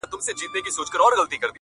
او جالبو سره مخ سو